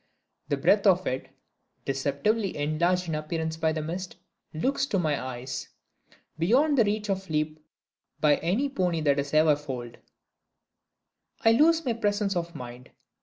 The breadth of it (deceptively enlarged in appearance by the mist) looks to my eyes beyond the reach of a leap by any pony that ever was foaled. I lose my presence of mind.